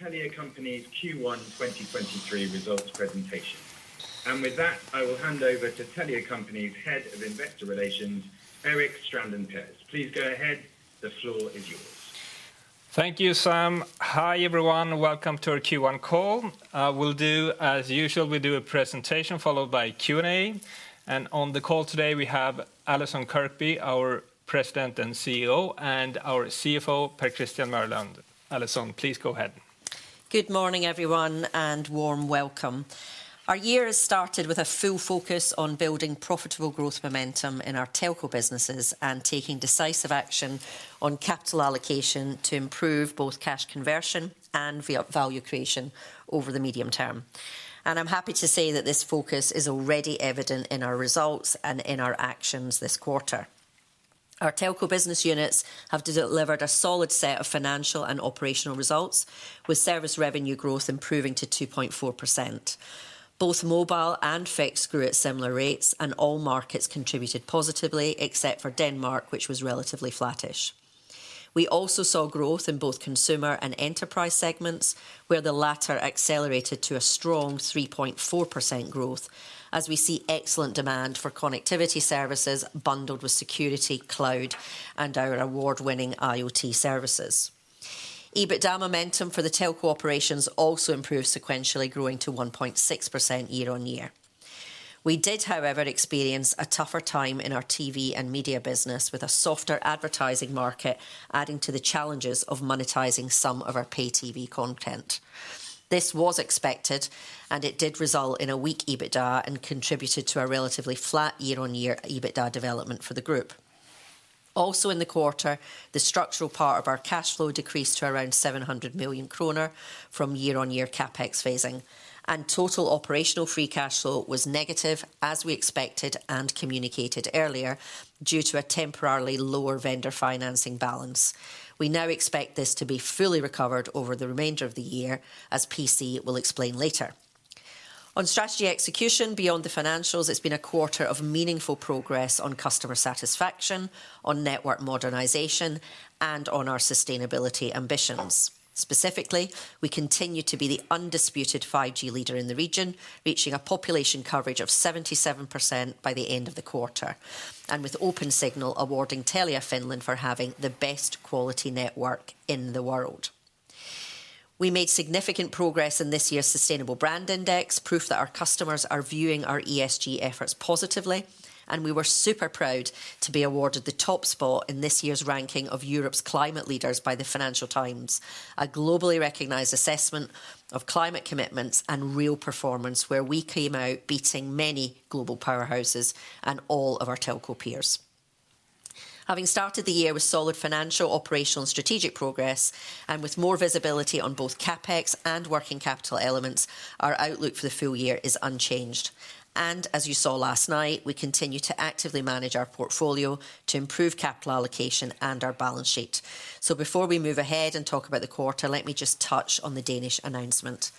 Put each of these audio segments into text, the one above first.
The Telia Company's Q1 2023 results presentation. With that, I will hand over to Telia Company's Head of Investor Relations, Erik Strandin Pers. Please go ahead. The floor is yours. Thank you, Sam. Hi, everyone. Welcome to our Q1 call. As usual, we do a presentation followed by Q&A. On the call today we have Allison Kirkby, our President and CEO, and our CFO, Per Christian Mørland. Allison, please go ahead. Good morning, everyone, and warm welcome. Our year has started with a full focus on building profitable growth momentum in our telco businesses and taking decisive action on capital allocation to improve both cash conversion and via value creation over the medium term. I'm happy to say that this focus is already evident in our results and in our actions this quarter. Our telco business units have de-delivered a solid set of financial and operational results with service revenue growth improving to 2.4%. Both mobile and fixed grew at similar rates, and all markets contributed positively, except for Denmark, which was relatively flattish. We also saw growth in both consumer and enterprise segments, where the latter accelerated to a strong 3.4% growth as we see excellent demand for connectivity services bundled with security, cloud, and our award-winning IoT services. EBITDA momentum for the telco operations also improved sequentially, growing to 1.6% year-on-year. We did, however, experience a tougher time in our TV and media business with a softer advertising market, adding to the challenges of monetizing some of our pay TV content. This was expected, and it did result in a weak EBITDA and contributed to a relatively flat year-on-year EBITDA development for the group. Also in the quarter, the structural part of our cash flow decreased to around 700 million kronor from year-on-year CapEx phasing. Total operational free cash flow was negative, as we expected and communicated earlier, due to a temporarily lower vendor financing balance. We now expect this to be fully recovered over the remainder of the year, as P.C. will explain later. On strategy execution beyond the financials, it's been a quarter of meaningful progress on customer satisfaction, on network modernization, and on our sustainability ambitions. Specifically, we continue to be the undisputed 5G leader in the region, reaching a population coverage of 77% by the end of the quarter, and with Opensignal awarding Telia Finland for having the best quality network in the world. We made significant progress in this year's Sustainable Brand Index, proof that our customers are viewing our ESG efforts positively, and we were super proud to be awarded the top spot in this year's ranking of Europe's Climate Leaders by the Financial Times, a globally recognized assessment of climate commitments and real performance where we came out beating many global powerhouses and all of our telco peers. Having started the year with solid financial, operational, and strategic progress and with more visibility on both CapEx and working capital elements, our outlook for the full year is unchanged. As you saw last night, we continue to actively manage our portfolio to improve capital allocation and our balance sheet. Before we move ahead and talk about the quarter, let me just touch on the Danish announcement.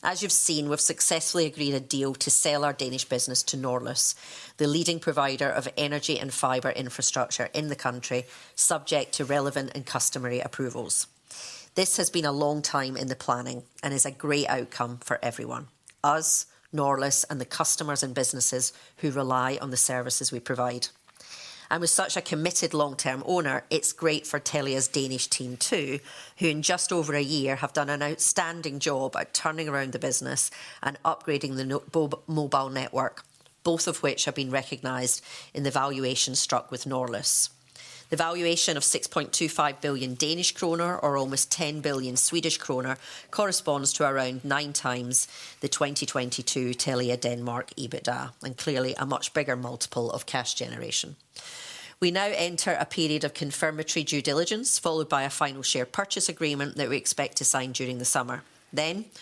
As you've seen, we've successfully agreed a deal to sell our Danish business to Norlys, the leading provider of energy and fiber infrastructure in the country, subject to relevant and customary approvals. This has been a long time in the planning and is a great outcome for everyone, us, Norlys, and the customers and businesses who rely on the services we provide. With such a committed long-term owner, it's great for Telia's Danish team too, who in just over a year have done an outstanding job at turning around the business and upgrading the mobile network, both of which have been recognized in the valuation struck with Norlys. The valuation of 6.25 billion Danish kroner or almost 10 billion Swedish kronor corresponds to around nine times the 2022 Telia Denmark EBITDA, and clearly a much bigger multiple of cash generation. We now enter a period of confirmatory due diligence, followed by a final share purchase agreement that we expect to sign during the summer.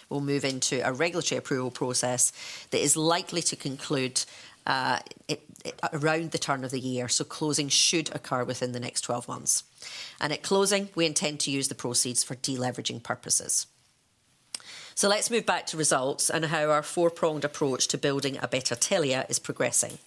We'll move into a regulatory approval process that is likely to conclude it around the turn of the year, so closing should occur within the next 12 months. At closing, we intend to use the proceeds for deleveraging purposes. Let's move back to results and how our four-pronged approach to building a better Telia is progressing.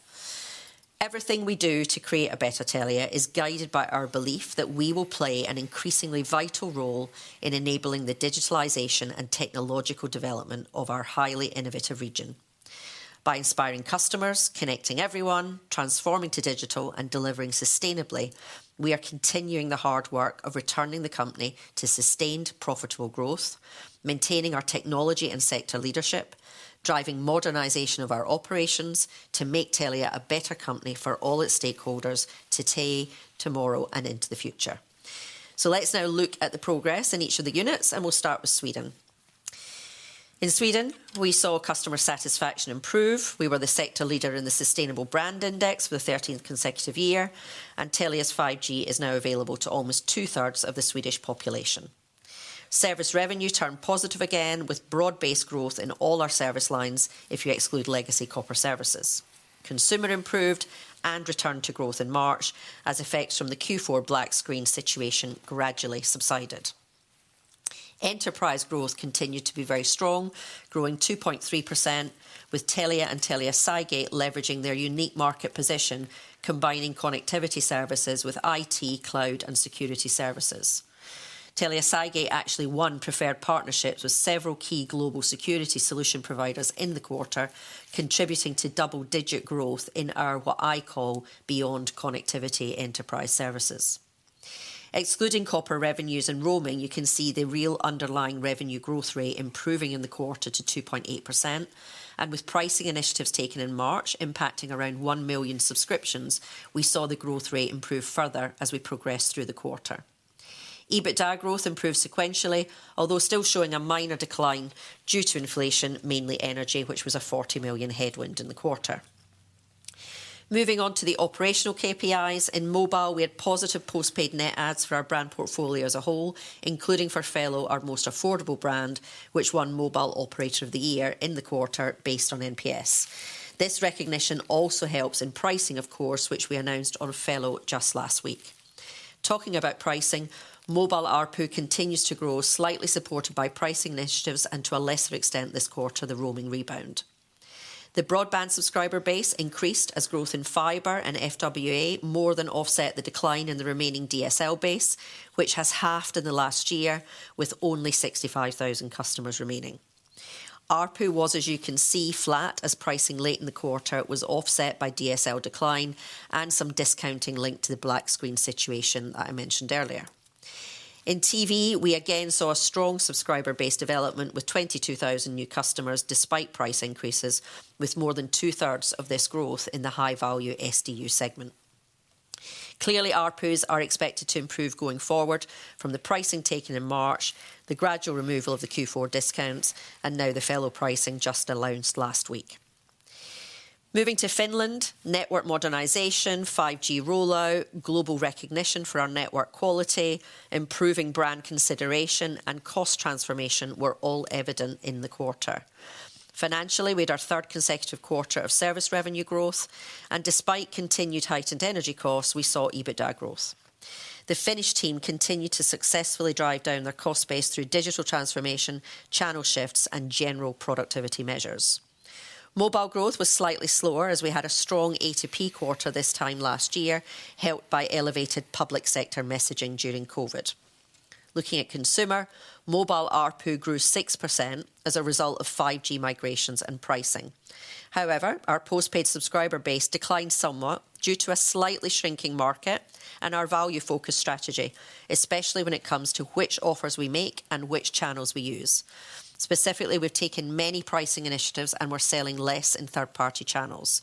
Everything we do to create a better Telia is guided by our belief that we will play an increasingly vital role in enabling the digitalization and technological development of our highly innovative region. By inspiring customers, connecting everyone, transforming to digital, and delivering sustainably, we are continuing the hard work of returning the company to sustained profitable growth, maintaining our technology and sector leadership, driving modernization of our operations to make Telia a better company for all its stakeholders today, tomorrow, and into the future. Let's now look at the progress in each of the units, and we'll start with Sweden. In Sweden, we saw customer satisfaction improve. We were the sector leader in the Sustainable Brand Index for the 13th consecutive year, and Telia's 5G is now available to almost two-thirds of the Swedish population. Service revenue turned positive again with broad-based growth in all our service lines if you exclude legacy copper services. Consumer improved and returned to growth in March as effects from the Q4 black screen situation gradually subsided. Enterprise growth continued to be very strong, growing 2.3% with Telia and Telia Cygate leveraging their unique market position, combining connectivity services with IT, cloud, and security services. Telia Cygate actually won preferred partnerships with several key global security solution providers in the quarter, contributing to double-digit growth in our, what I call beyond connectivity enterprise services. Excluding copper revenues and roaming, you can see the real underlying revenue growth rate improving in the quarter to 2.8%. With pricing initiatives taken in March impacting around one million subscriptions, we saw the growth rate improve further as we progressed through the quarter. EBITDA growth improved sequentially, although still showing a minor decline due to inflation, mainly energy, which was a 40 million headwind in the quarter. Moving on to the operational KPIs. In mobile, we had positive postpaid net adds for our brand portfolio as a whole, including for Fello, our most affordable brand, which won mobile operator of the year in the quarter based on NPS. This recognition also helps in pricing of course, which we announced on Fello just last week. Talking about pricing, mobile ARPU continues to grow slightly supported by pricing initiatives and to a lesser extent this quarter, the roaming rebound. The broadband subscriber base increased as growth in fiber and FWA more than offset the decline in the remaining DSL base, which has halved in the last year with only 65,000 customers remaining. ARPU was, as you can see, flat as pricing late in the quarter was offset by DSL decline and some discounting linked to the black screen situation that I mentioned earlier. In TV, we again saw a strong subscriber-based development with 22,000 new customers despite price increases with more than 2/3 of this growth in the high-value SDU segment. Clearly, ARPUs are expected to improve going forward from the pricing taken in March, the gradual removal of the Q4 discounts, and now the Fello pricing just announced last week. Moving to Finland. Network modernization, 5G rollout, global recognition for our network quality, improving brand consideration, and cost transformation were all evident in the quarter. Financially, we had our third consecutive quarter of service revenue growth, and despite continued heightened energy costs, we saw EBITDA growth. The Finnish team continued to successfully drive down their cost base through digital transformation, channel shifts, and general productivity measures. Mobile growth was slightly slower as we had a strong A2P quarter this time last year, helped by elevated public sector messaging during COVID. Looking at consumer, mobile ARPU grew 6% as a result of 5G migrations and pricing. However, our postpaid subscriber base declined somewhat due to a slightly shrinking market and our value-focused strategy, especially when it comes to which offers we make and which channels we use. Specifically, we've taken many pricing initiatives, and we're selling less in third-party channels.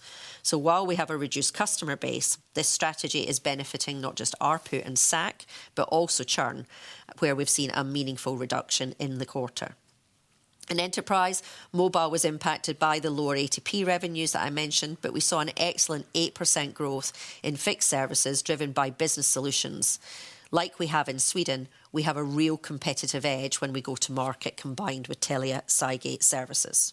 While we have a reduced customer base, this strategy is benefiting not just ARPU and SAC, but also churn, where we've seen a meaningful reduction in the quarter. In enterprise, mobile was impacted by the lower A2P revenues that I mentioned, but we saw an excellent 8% growth in fixed services driven by business solutions. Like we have in Sweden, we have a real competitive edge when we go to market combined with Telia Cygate services.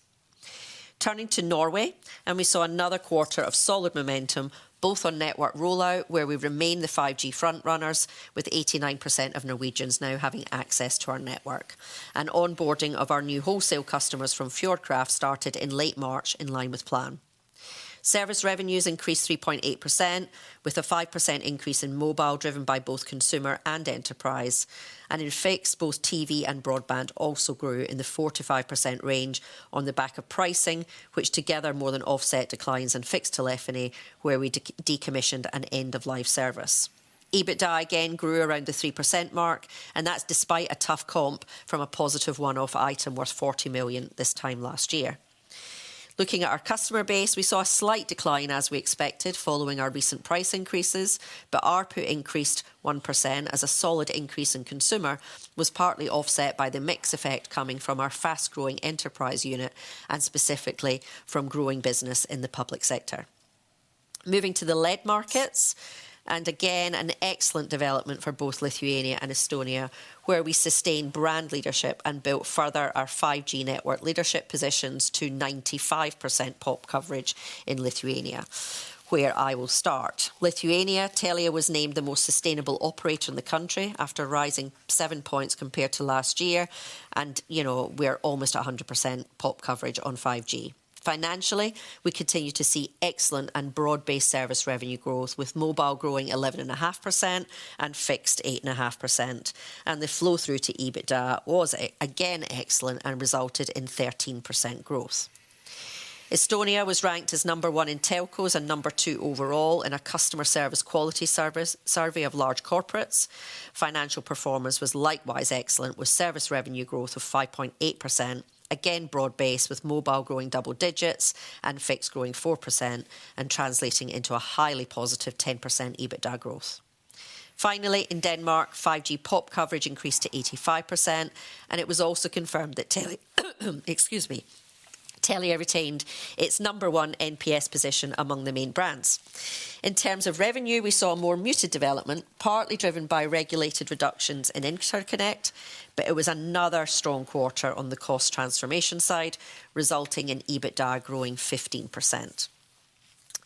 Turning to Norway, and we saw another quarter of solid momentum, both on network rollout, where we remain the 5G front runners with 89% of Norwegians now having access to our network. Onboarding of our new wholesale customers from Fjordkraft started in late March in line with plan. Service revenues increased 3.8%, with a 5% increase in mobile driven by both consumer and enterprise. In fixed, both TV and broadband also grew in the 4%-5% range on the back of pricing, which together more than offset declines in fixed telephony, where we decommissioned an end-of-life service. EBITDA again grew around the 3% mark, that's despite a tough comp from a positive one-off item worth 40 million this time last year. Looking at our customer base, we saw a slight decline as we expected following our recent price increases, ARPU increased 1% as a solid increase in consumer was partly offset by the mix effect coming from our fast-growing enterprise unit and specifically from growing business in the public sector. Moving to the lead markets, again, an excellent development for both Lithuania and Estonia, where we sustained brand leadership and built further our 5G network leadership positions to 95% pop coverage in Lithuania, where I will start. Lithuania, Telia was named the most sustainable operator in the country after rising seven points compared to last year. You know, we're almost at 100% pop coverage on 5G. Financially, we continue to see excellent and broad-based service revenue growth, with mobile growing 11.5% and fixed 8.5%. The flow-through to EBITDA was again excellent and resulted in 13% growth. Estonia was ranked as number one in telcos and number two overall in a customer service quality survey of large corporates. Financial performance was likewise excellent, with service revenue growth of 5.8%, again broad-based, with mobile growing double digits and fixed growing 4% and translating into a highly positive 10% EBITDA growth. Finally, in Denmark, 5G pop coverage increased to 85%, and it was also confirmed that Excuse me. Telia retained its number one NPS position among the main brands. In terms of revenue, we saw a more muted development, partly driven by regulated reductions in interconnect, but it was another strong quarter on the cost transformation side, resulting in EBITDA growing 15%.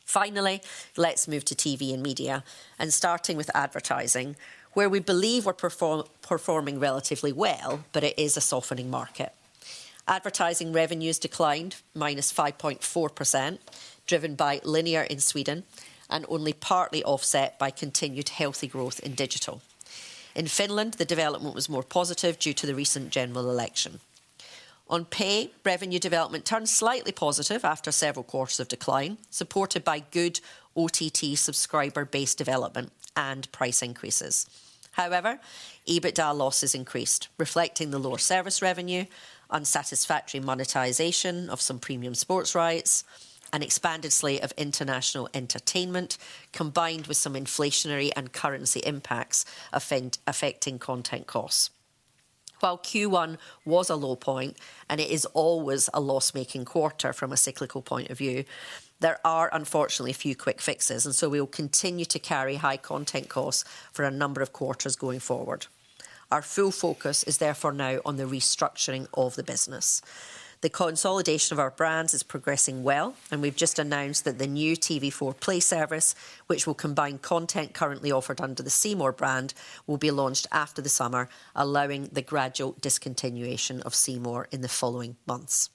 Finally, let's move to TV and media, and starting with advertising, where we believe we're performing relatively well, but it is a softening market. Advertising revenues declined -5.4%, driven by linear in Sweden, and only partly offset by continued healthy growth in digital. In Finland, the development was more positive due to the recent general election. On pay, revenue development turned slightly positive after several quarters of decline, supported by good OTT subscriber base development and price increases. However, EBITDA losses increased, reflecting the lower service revenue, unsatisfactory monetization of some premium sports rights, an expanded slate of international entertainment, combined with some inflationary and currency impacts affecting content costs. While Q1 was a low point, and it is always a loss-making quarter from a cyclical point of view, there are unfortunately a few quick fixes, and so we will continue to carry high content costs for a number of quarters going forward. Our full focus is therefore now on the restructuring of the business. The consolidation of our brands is progressing well, and we've just announced that the new TV4 Play service, which will combine content currently offered under the C More brand, will be launched after the summer, allowing the gradual discontinuation of C More in the following months.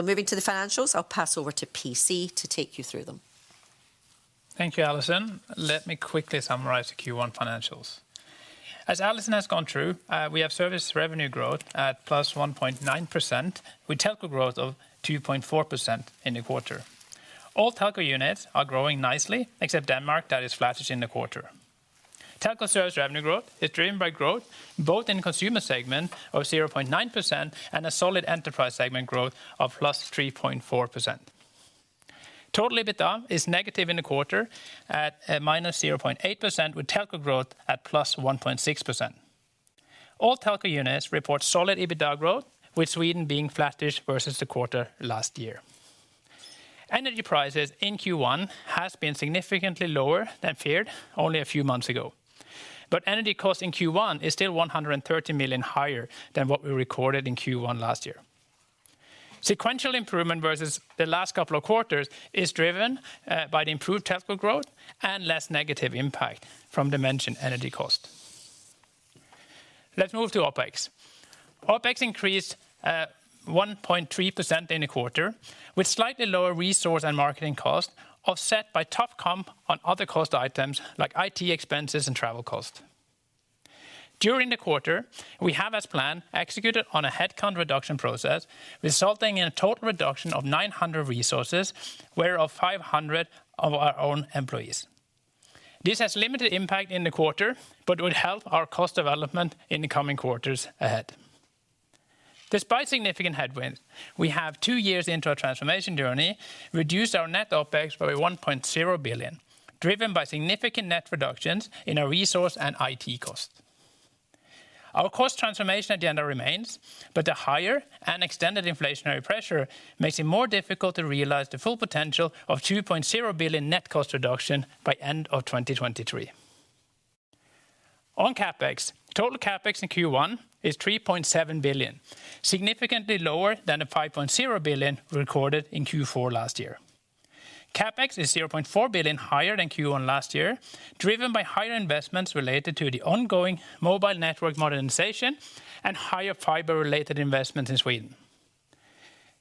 Moving to the financials, I'll pass over to PC to take you through them. Thank you, Allison. Let me quickly summarize the Q1 financials. As Allison has gone through, we have service revenue growth at +1.9% with telco growth of 2.4% in the quarter. All telco units are growing nicely, except Denmark that is flattish in the quarter. Telco service revenue growth is driven by growth both in consumer segment of 0.9% and a solid enterprise segment growth of +3.4%. Total EBITDA is negative in the quarter at -0.8% with telco growth at +1.6%. All telco units report solid EBITDA growth, with Sweden being flattish versus the quarter last year. Energy prices in Q1 has been significantly lower than feared only a few months ago. Energy cost in Q1 is still 130 million higher than what we recorded in Q1 last year. Sequential improvement versus the last couple of quarters is driven by the improved telco growth and less negative impact from dimension energy cost. Let's move to OpEx. OpEx increased 1.3% in the quarter with slightly lower resource and marketing cost offset by tough comp on other cost items like IT expenses and travel cost. During the quarter, we have, as planned, executed on a headcount reduction process, resulting in a total reduction of 900 resources, where of 500 of our own employees. This has limited impact in the quarter, but would help our cost development in the coming quarters ahead. Despite significant headwinds, we have two years into our transformation journey, reduced our net OpEx by 1.0 billion, driven by significant net reductions in our resource and IT cost. The higher and extended inflationary pressure makes it more difficult to realize the full potential of 2.0 billion net cost reduction by end of 2023. On CapEx, total CapEx in Q1 is 3.7 billion, significantly lower than the 5.0 billion recorded in Q4 last year. CapEx is 0.4 billion higher than Q1 last year, driven by higher investments related to the ongoing mobile network modernization and higher fiber-related investment in Sweden.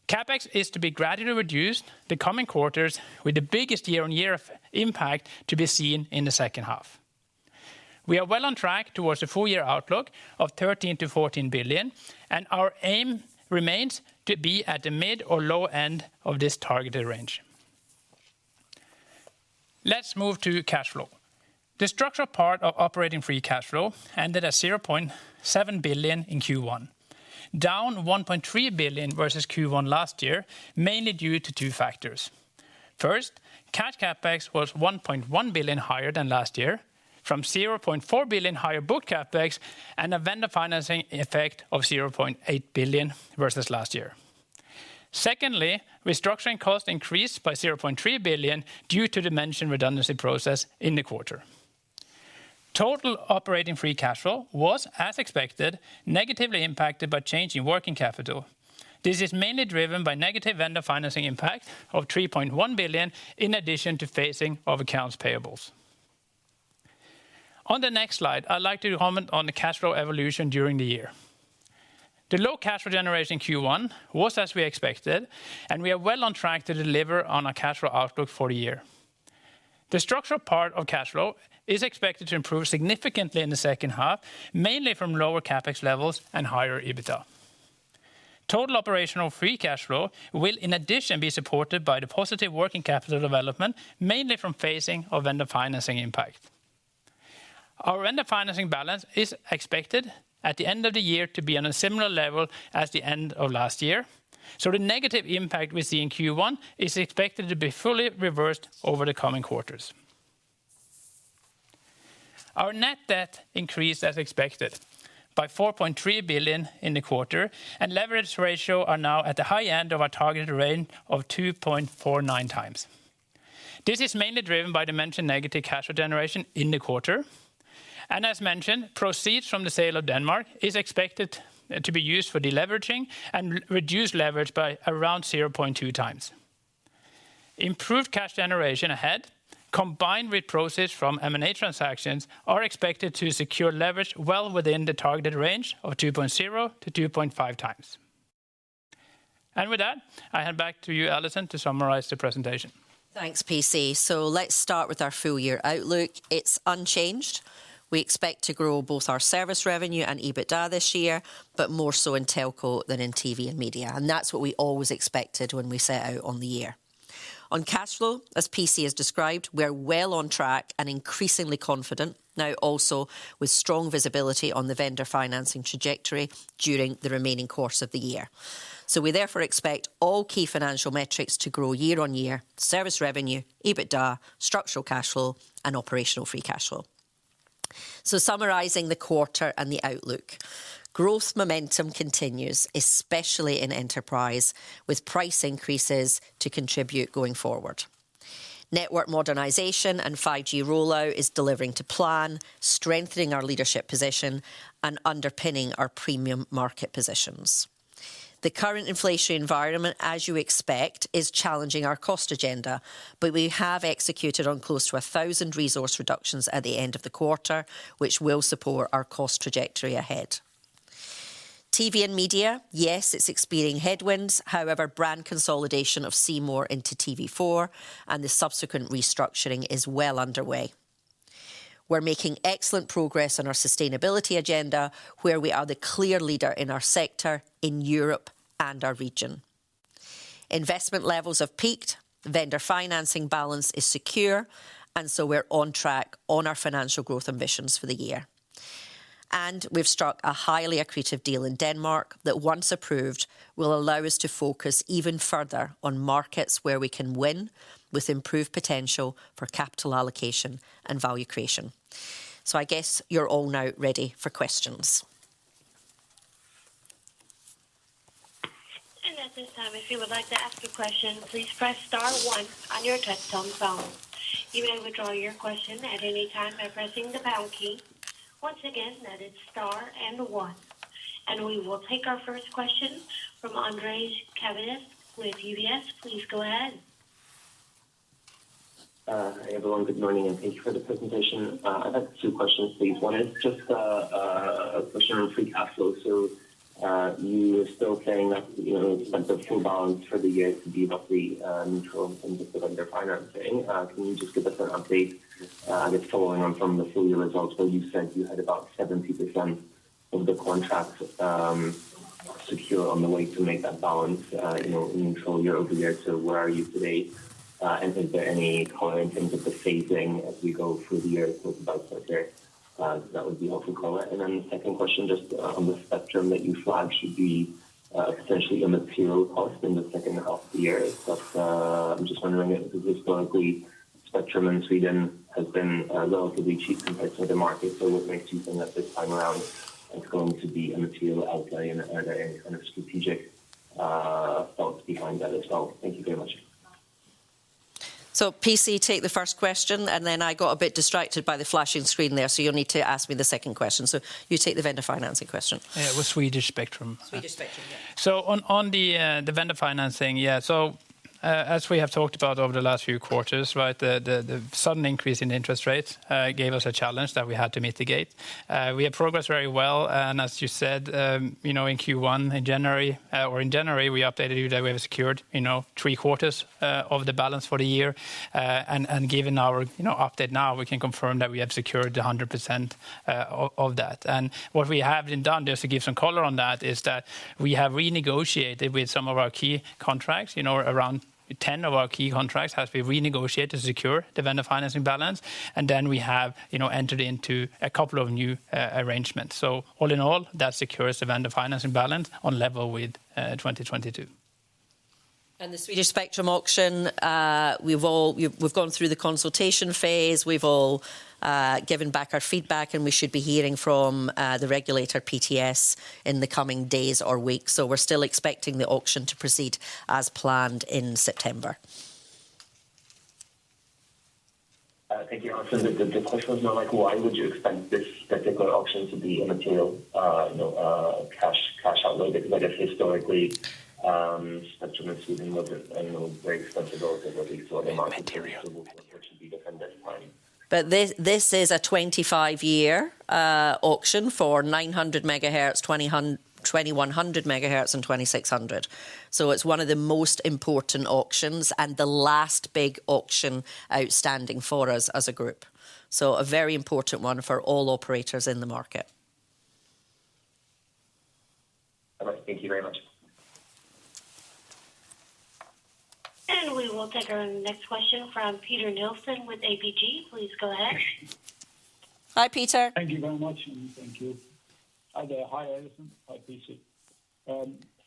CapEx is to be gradually reduced the coming quarters with the biggest year-on-year impact to be seen in the second half. We are well on track towards a full year outlook of 13 billion-14 billion. Our aim remains to be at the mid or low end of this targeted range. Let's move to cash flow. The structure part of operating free cash flow ended at 0.7 billion in Q1, down 1.3 billion versus Q1 last year, mainly due to two factors. First, cash CapEx was 1.1 billion higher than last year from 0.4 billion higher book CapEx and a vendor financing effect of 0.8 billion versus last year. Secondly, restructuring cost increased by 0.3 billion due to the mentioned redundancy process in the quarter. Total operating free cash flow was, as expected, negatively impacted by change in working capital. This is mainly driven by negative vendor financing impact of 3.1 billion in addition to phasing of accounts payables. On the next slide, I'd like to comment on the cash flow evolution during the year. The low cash flow generation Q1 was as we expected, and we are well on track to deliver on our cash flow outlook for the year. The structural part of cash flow is expected to improve significantly in the second half, mainly from lower CapEx levels and higher EBITDA. Total operational free cash flow will in addition be supported by the positive working capital development, mainly from phasing of vendor financing impact. Our vendor financing balance is expected at the end of the year to be on a similar level as the end of last year. The negative impact we see in Q1 is expected to be fully reversed over the coming quarters. Our net debt increased as expected by 4.3 billion in the quarter, and leverage ratio are now at the high end of our targeted range of 2.49 times. This is mainly driven by the mentioned negative cash flow generation in the quarter. As mentioned, proceeds from the sale of Denmark is expected to be used for deleveraging and reduce leverage by around 0.2 times. Improved cash generation ahead, combined with proceeds from M&A transactions are expected to secure leverage well within the targeted range of 2.0-2.5 times. With that, I hand back to you, Allison, to summarize the presentation. Thanks, PC. Let's start with our full year outlook. It's unchanged. We expect to grow both our service revenue and EBITDA this year, but more so in telco than in TV and media. That's what we always expected when we set out on the year. On cash flow, as PC has described, we are well on track and increasingly confident now also with strong visibility on the vendor financing trajectory during the remaining course of the year. We therefore expect all key financial metrics to grow year-on-year, service revenue, EBITDA, structural cash flow, and operational free cash flow. Summarizing the quarter and the outlook. Growth momentum continues, especially in enterprise, with price increases to contribute going forward. Network modernization and 5G rollout is delivering to plan, strengthening our leadership position and underpinning our premium market positions. The current inflation environment, as you expect, is challenging our cost agenda, but we have executed on close to 1,000 resource reductions at the end of the quarter, which will support our cost trajectory ahead. TV and media, yes, it's experiencing headwinds. However, brand consolidation of C More into TV4 and the subsequent restructuring is well underway. We're making excellent progress on our sustainability agenda, where we are the clear leader in our sector in Europe and our region. Investment levels have peaked, vendor financing balance is secure, and so we're on track on our financial growth ambitions for the year. We've struck a highly accretive deal in Denmark that once approved, will allow us to focus even further on markets where we can win with improved potential for capital allocation and value creation. I guess you're all now ready for questions. At this time, if you would like to ask a question, please press star one on your touchtone phone. You may withdraw your question at any time by pressing the pound key. Once again, that is star and one. We will take our first question from Ondrej Cabejšek with UBS. Please go ahead. Everyone, good morning and thank you for the presentation. I have two questions, please. One is just a question on free cash flow. You were still saying that, you know, expect the full balance for the year to be roughly neutral in terms of vendor financing. Can you just give us an update? And it's following on from the full year results where you said you had about 70% of the contracts secure on the way to make that balance, you know, neutral year-over-year. Where are you today? And is there any color in terms of the phasing as we go through the year, talk about sector? That would be helpful color. The second question, just on the spectrum that you flagged should be, essentially a material cost in the second half of the year. I'm just wondering if historically spectrum in Sweden has been, relatively cheap compared to the market. What makes you think that this time around it's going to be a material outlay? Are there any kind of strategic, thoughts behind that as well? Thank you very much. PC, take the first question, and then I got a bit distracted by the flashing screen there. You'll need to ask me the second question. You take the vendor financing question. Yeah, with Swedish spectrum. Swedish spectrum, yeah. On, on the vendor financing, yeah. As we have talked about over the last few quarters, right, the sudden increase in interest rates gave us a challenge that we had to mitigate. We have progressed very well. As you said, you know, in Q1, in January, or in January, we updated you that we have secured, you know, three-quarters of the balance for the year. Given our, you know, update now, we can confirm that we have secured the 100% of that. What we have been done, just to give some color on that, is that we have renegotiated with some of our key contracts. You know, around 10 of our key contracts has been renegotiated to secure the vendor financing balance. We have, you know, entered into a couple of new arrangements. All in all, that secures the vendor financing balance on level with 2022. The Swedish spectrum auction, We’ve gone through the consultation phase. We’ve all given back our feedback. We should be hearing from the regulator PTS in the coming days or weeks. We’re still expecting the auction to proceed as planned in September. Thank you. The, the question was more like why would you expect this particular auction to be a material, you know, cash outlay? I guess historically, spectrum in Sweden wasn't, you know, very expensive relatively. It may not be material to be dependent upon. This, this is a 25-year auction for 900 megahertz, 2,100 megahertz and 2,600. It's one of the most important auctions and the last big auction outstanding for us as a group. A very important one for all operators in the market. All right. Thank you very much. We will take our next question from Peter Nielsen with ABG. Please go ahead. Hi, Peter. Thank you very much. Thank you. Hi there. Hi, Allison. Hi, PC.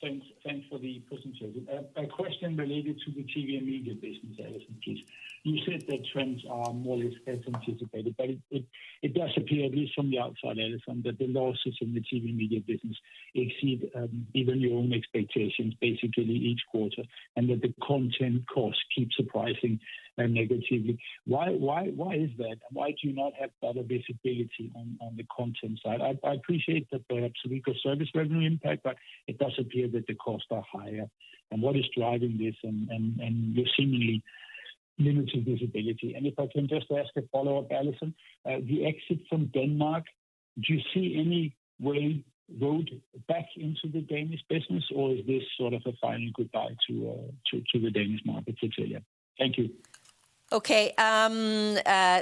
Thanks for the presentation. A question related to the TV and media business, Allison, please. You said that trends are more or less as anticipated, but it does appear, at least from the outside, Allison, that the losses in the TV and media business exceed even your own expectations basically each quarter, and that the content costs keep surprising negatively. Why is that? Why do you not have better visibility on the content side? I appreciate that there's weaker service revenue impact, but it does appear that the costs are higher. What is driving this and your seemingly limited visibility. If I can just ask a follow-up, Allison. The exit from Denmark, do you see any way road back into the Danish business or is this sort of a final goodbye to the Danish market for Telia? Thank you. Okay.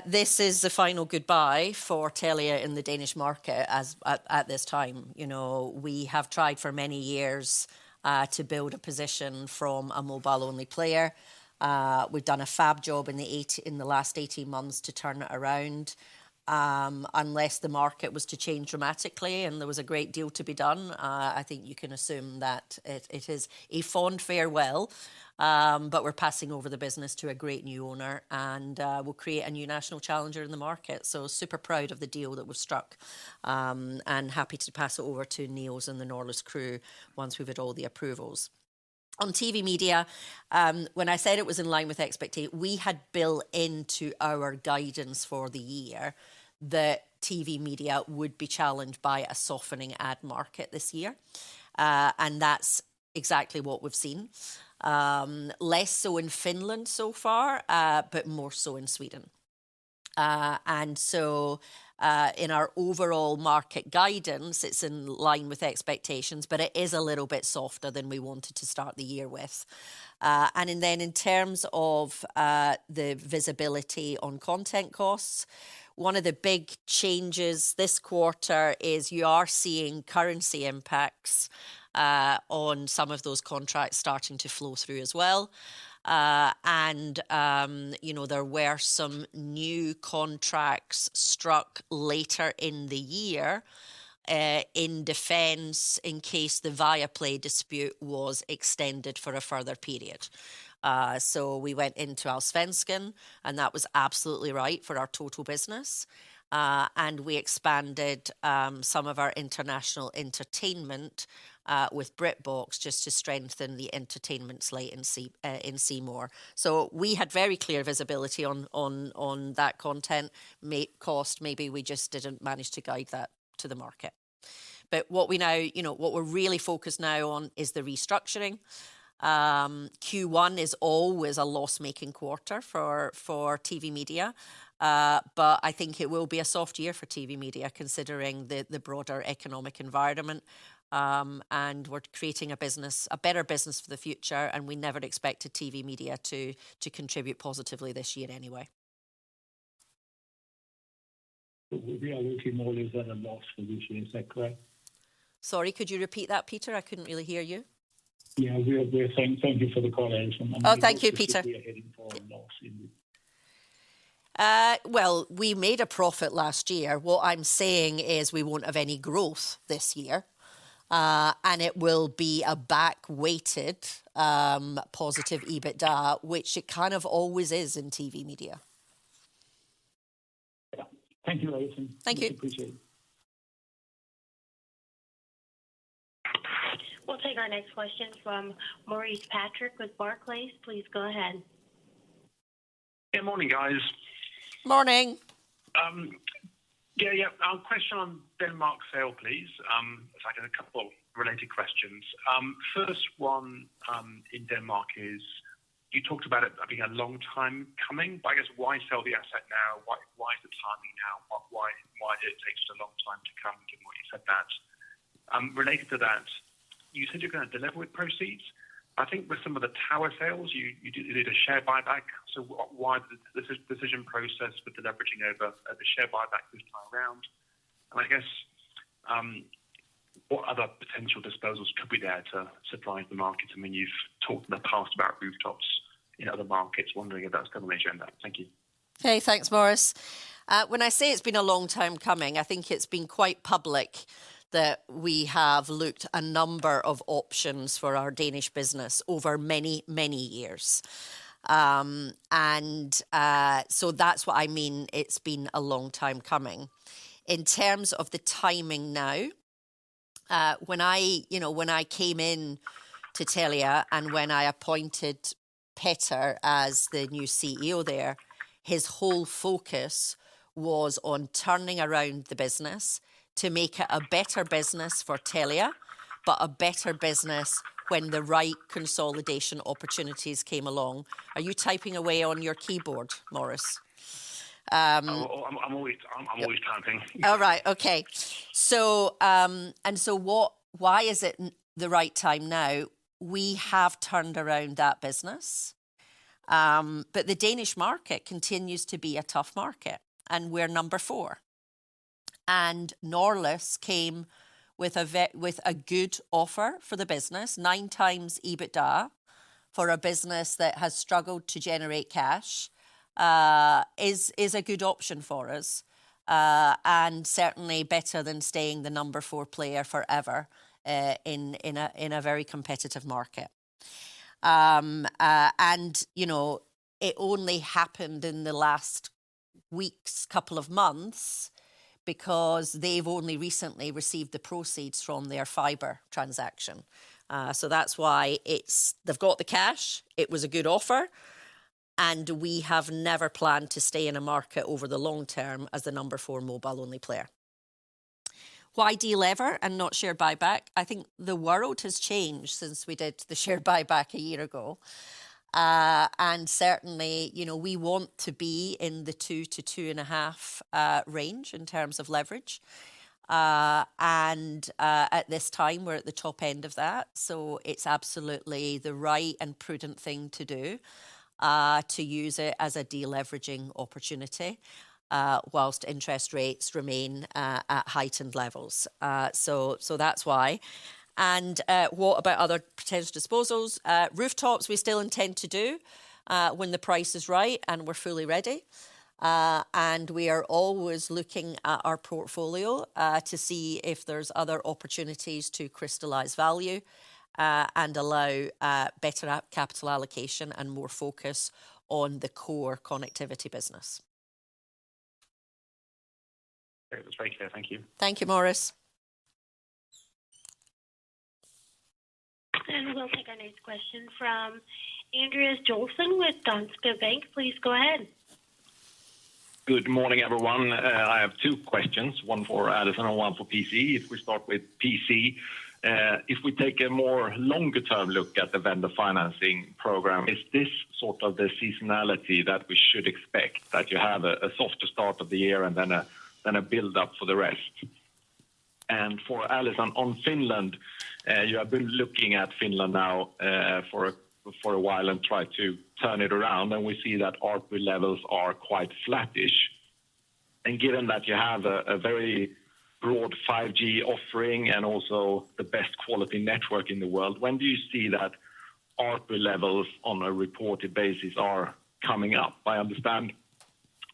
This is the final goodbye for Telia in the Danish market as at this time. You know, we have tried for many years to build a position from a mobile-only player. We've done a fab job in the last 18 months to turn it around. Unless the market was to change dramatically and there was a great deal to be done, I think you can assume that it is a fond farewell, but we're passing over the business to a great new owner, and we'll create a new national challenger in the market. Super proud of the deal that was struck, and happy to pass it over to Niels and the Norlys crew once we've had all the approvals. On TV Media, when I said it was in line with expectations, we had built into our guidance for the year that TV Media would be challenged by a softening ad market this year. That's exactly what we've seen. Less so in Finland so far, but more so in Sweden. In our overall market guidance, it's in line with expectations, but it is a little bit softer than we wanted to start the year with. In terms of the visibility on content costs, one of the big changes this quarter is you are seeing currency impacts on some of those contracts starting to flow through as well. You know, there were some new contracts struck later in the year in defense in case the Viaplay dispute was extended for a further period. We went into Allsvenskan, and that was absolutely right for our total business. We expanded some of our international entertainment with BritBox just to strengthen the entertainment slate in C More. We had very clear visibility on that content cost. Maybe we just didn't manage to guide that to the market. You know, what we're really focused now on is the restructuring. Q1 is always a loss-making quarter for TV Media. I think it will be a soft year for TV Media considering the broader economic environment. We're creating a business, a better business for the future, and we never expected TV Media to contribute positively this year anyway. We are looking more or less at a loss for this year? Sorry, could you repeat that, Peter? I couldn't really hear you. Yeah. Thank you for the call, Allison. Oh, thank you, Peter. I think you said we are heading for a loss indeed. Well, we made a profit last year. What I'm saying is we won't have any growth this year. It will be a back-weighted, positive EBITDA, which it always is in TV Media. Yeah. Thank you, Allison. Thank you. Much appreciated. We'll take our next question from Maurice Patrick with Barclays. Please go ahead. Good morning, guys. Morning. Yeah, yeah. A question on Denmark sale, please. In fact, I have a couple of related questions. First one, in Denmark is you talked about it being a long time coming, but I guess why sell the asset now? Why the timing now? Why had it taken a long time to come, given what you said that? Related to that, you said you're gonna delever with proceeds. I think with some of the tower sales, you did a share buyback. Why the decision process for deleveraging over the share buyback this time around? I guess, what other potential disposals could be there to surprise the market? I mean, you've talked in the past about rooftops in other markets. Wondering if that's gonna make the agenda. Thank you. Okay. Thanks, Maurice. When I say it's been a long time coming, I think it's been quite public that we have looked a number of options for our Danish business over many, many years. That's what I mean it's been a long time coming. In terms of the timing now, when I, you know, when I came in to Telia and when I appointed Petter as the new CEO there, his whole focus was on turning around the business to make it a better business for Telia, but a better business when the right consolidation opportunities came along. Are you typing away on your keyboard, Maurice? I'm always typing. All right. Okay. Why is it the right time now? We have turned around that business. But the Danish market continues to be a tough market, and we're number four. Norlys came with a good offer for the business. nine times EBITDA for a business that has struggled to generate cash, is a good option for us, and certainly better than staying the number four player forever, in a very competitive market. And, you know, it only happened in the last weeks, couple of months, because they've only recently received the proceeds from their fiber transaction. So that's why it's. They've got the cash. It was a good offer. We have never planned to stay in a market over the long term as the number 4 mobile-only player. Why delever and not share buyback? I think the world has changed since we did the share buyback a year ago. And certainly, you know, we want to be in the 2 to 2.5 range in terms of leverage. And at this time, we're at the top end of that. It's absolutely the right and prudent thing to do to use it as a deleveraging opportunity whilst interest rates remain at heightened levels. That's why. What about other potential disposals? Rooftops we still intend to do when the price is right and we're fully ready. We are always looking at our portfolio, to see if there's other opportunities to crystallize value, and allow better app capital allocation and more focus on the core connectivity business. Okay. That's very clear. Thank you. Thank you, Maurice. We'll take our next question from Andreas Joelsson with Danske Bank. Please go ahead. Good morning, everyone. I have two questions, one for Allison and one for PC. If we start with PC, if we take a more longer-term look at the vendor financing program, is this sort of the seasonality that we should expect, that you have a softer start of the year and then a build-up for the rest? For Allison, on Finland, you have been looking at Finland now for a while and try to turn it around, and we see that ARPU levels are quite flattish. Given that you have a very broad 5G offering and also the best quality network in the world, when do you see that ARPU levels on a reported basis are coming up? I understand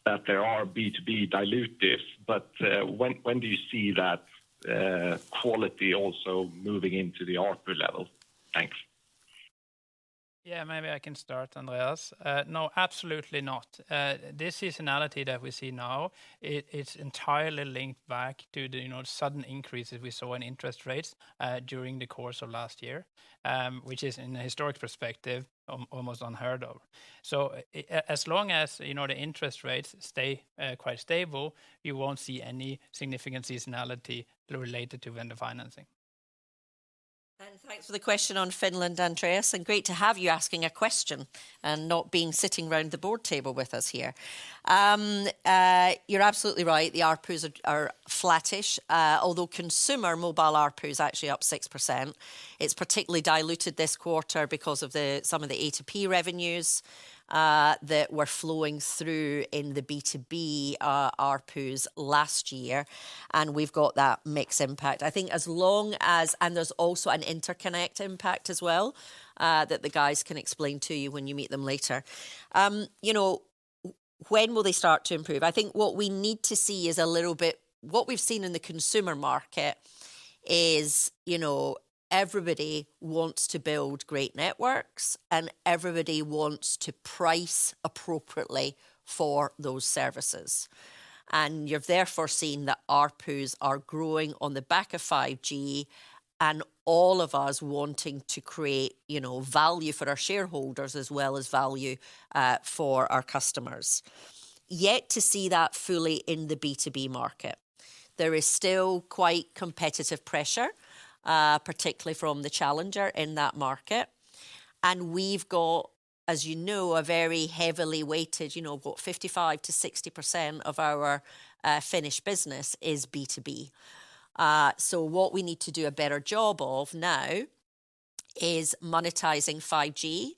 that there are B2B dilutive, but, when do you see that quality also moving into the ARPU level? Thanks. Yeah. Maybe I can start, Andreas. No, absolutely not. This seasonality that we see now, it's entirely linked back to the, you know, sudden increases we saw in interest rates, during the course of last year, which is in a historic perspective almost unheard of. As long as, you know, the interest rates stay, quite stable, we won't see any significant seasonality related to vendor financing. Thanks for the question on Finland, Andreas, and great to have you asking a question and not being sitting around the board table with us here. You're absolutely right, the ARPUs are flattish. Although consumer mobile ARPU is actually up 6%. It's particularly diluted this quarter because of the some of the A2P revenues that were flowing through in the B2B ARPUs last year, and we've got that mix impact. There's also an interconnect impact as well that the guys can explain to you when you meet them later. You know, when will they start to improve? What we've seen in the consumer market is, you know, everybody wants to build great networks and everybody wants to price appropriately for those services. You've therefore seen that ARPUs are growing on the back of 5G and all of us wanting to create, you know, value for our shareholders as well as value for our customers. Yet to see that fully in the B2B market. There is still quite competitive pressure, particularly from the challenger in that market. We've got, as you know, a very heavily weighted, you know, what? 55%-60% of our Finnish business is B2B. What we need to do a better job of now is monetizing 5G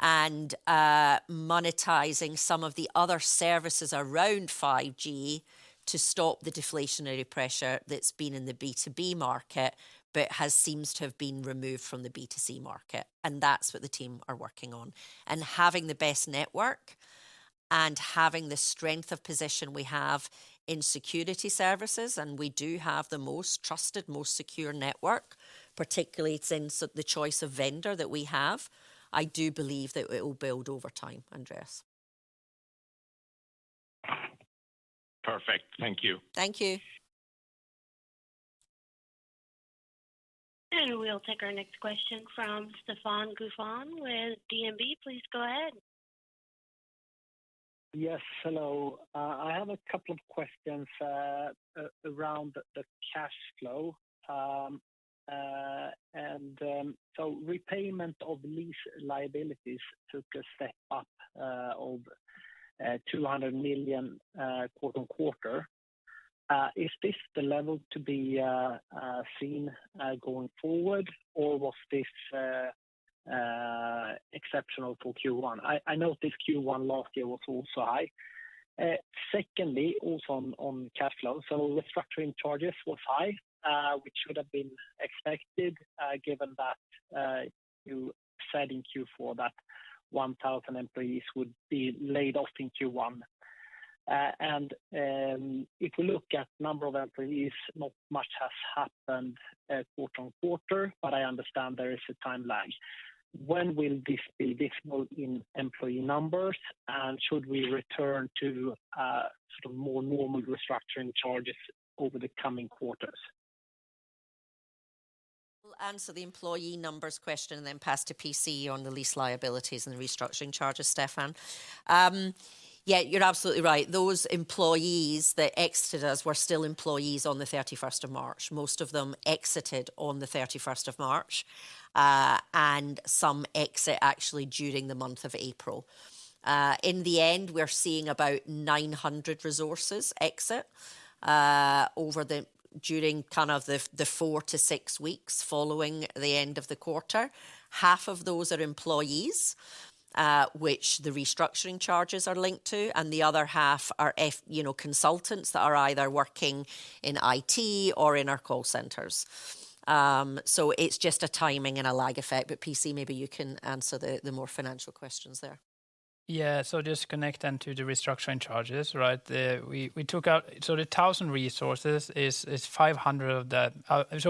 and monetizing some of the other services around 5G to stop the deflationary pressure that's been in the B2B market, but has seems to have been removed from the B2C market. That's what the team are working on. Having the best network and having the strength of position we have in security services, and we do have the most trusted, most secure network, particularly it's in the choice of vendor that we have. I do believe that it will build over time, Andreas. Perfect. Thank you. Thank you. We'll take our next question from Stefan Gauffin with DNB. Please go ahead. Yes. Hello. I have a couple of questions around the cash flow. Repayment of lease liabilities took a step up of 200 million quarter-on-quarter. Is this the level to be seen going forward or was this exceptional for Q1? I know this Q1 last year was also high. Secondly, also on cash flow. Restructuring charges was high, which should have been expected, given that you said in Q4 that 1,000 employees would be laid off in Q1. If you look at number of employees, not much has happened quarter-on-quarter, but I understand there is a time lag. When will this be visible in employee numbers? Should we return to, sort of more normal restructuring charges over the coming quarters? I'll answer the employee numbers question and then pass to PC on the lease liabilities and the restructuring charges, Stefan. Yeah, you're absolutely right. Those employees that exited us were still employees on the 31st of March. Most of them exited on the 31st of March, and some exit actually during the month of April. In the end, we're seeing about 900 resources exit during kind of the four-six weeks following the end of the quarter. Half of those are employees, which the restructuring charges are linked to, and the other half are, you know, consultants that are either working in IT or in our call centers. It's just a timing and a lag effect. PC maybe you can answer the more financial questions there. Yeah. Just to connect them to the restructuring charges, right? We took out. The 1,000 resources is 500 of that.